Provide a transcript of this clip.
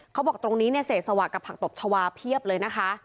เขาบอกตรงนี้เศษสวัสดิ์กับผักตบชวาเพียบเลยนะคะ